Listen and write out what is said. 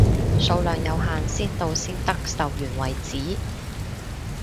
數量有限，先到先得，售完為止，